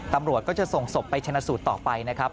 ตำรวจก็จะส่งศพไปชนะสูตรต่อไปนะครับ